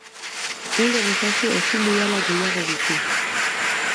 Uler ezazu ezin dudala gehiago bizi.